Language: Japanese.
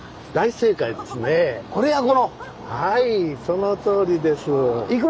はいそのとおりです。